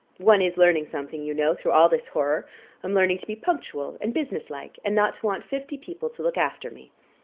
One is learning something, you know, through all this horror; I'm learning to be punctual and business like, and not to want fifty people to look after me.